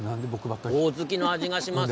ほおずきの味がします。